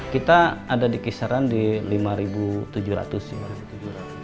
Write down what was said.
kita ada di kisaran di lima tujuh ratus ya